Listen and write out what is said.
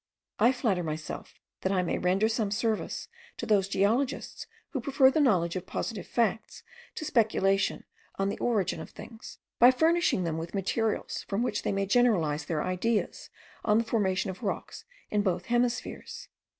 I flatter myself that I may render some service to those geologists who prefer the knowledge of positive facts to speculation on the origin of things, by furnishing them with materials from which they may generalize their ideas on the formation of rocks in both hemispheres.